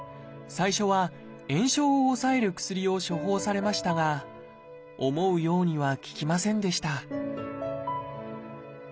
最初は炎症を抑える薬を処方されましたが思うようには効きませんでした